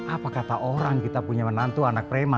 apa kata orang kita punya menantu anak prema